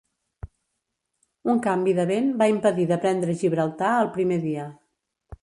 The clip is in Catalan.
Un canvi de vent va impedir de prendre Gibraltar el primer dia.